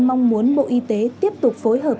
mong muốn bộ y tế tiếp tục phối hợp